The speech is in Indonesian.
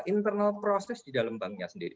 internal process di dalam banknya sendiri